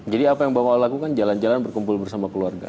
jadi apa yang bapak mau lakukan jalan jalan berkumpul bersama keluarga